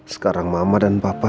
sekarang mama dan papa